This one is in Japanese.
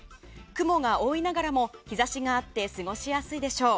雲が多いながらも日差しがあって過ごしやすいでしょう。